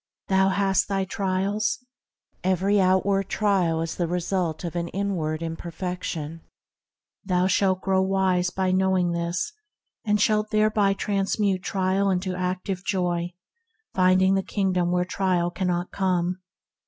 Thou hast thy trials ? Every outward trial is the replica of an inward imper fection. Thou shalt grow wise by knowing this, and shalt thereby transmute trial 86 THE HEAVENLY LIFE into active joy, finding the Kingdom where trial cannot come.